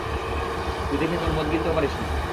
তুই দেখি এখন মদ গিলতেও পারিস না!